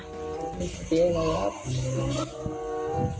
เมื่อคืนไปเมื่อละ